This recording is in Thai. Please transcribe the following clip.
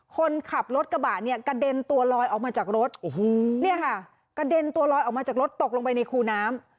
คนขับรถกระบะเนี่ยกระเด็นตัวลอยออกมาจากรถโอ้โหเนี่ยค่ะกระเด็นตัวลอยออกมาจากรถตกลงไปในคูน้ำ